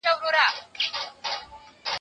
نه مي علم نه هنر په درد لګېږي